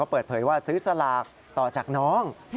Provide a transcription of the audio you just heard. เปิดเผยว่าซื้อสลากต่อจากน้อง